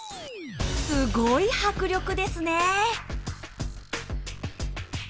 すごい迫力ですね！